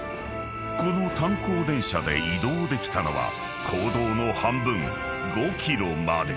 ［この炭鉱電車で移動できたのは坑道の半分５ｋｍまで］